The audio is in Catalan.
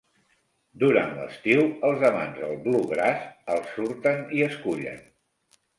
Durant l'estiu, els amants del bluegrass els surten i escullen.